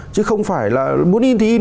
chứ không phải là muốn in thì in